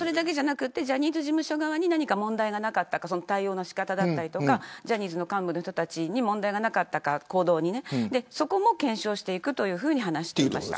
ジャニーズ事務所側に問題がなかったか対応の仕方やジャニーズの幹部の人たちに問題がなかったかそこも検証していくというふうに話していました。